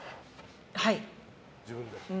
はい。